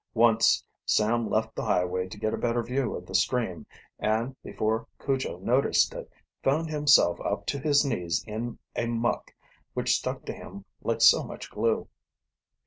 Once Sam left the highway to get a better view of the stream, and, before Cujo noticed it, found himself up to his knees in a muck which stuck to him like so much glue.